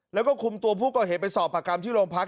แล้วก็คุมตัวผู้ก่อเหตุไปสอบประกรรมที่โรงพัก